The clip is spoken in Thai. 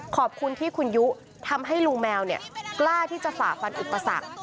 ขอบคุณที่คุณยุทำให้ลุงแมวกล้าที่จะฝ่าฟันอุปสรรค